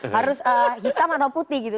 harus hitam atau putih gitu